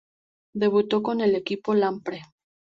Debutó con el equipo Lampre.